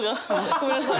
ごめんなさい。